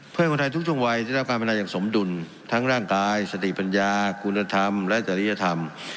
เพื่อให้คนไทยทุกช่วงวัยที่ได้รับการพนันอย่างสมดุลทั้งร่างกายสติปัญญาคุณธรรมและจริยธรรม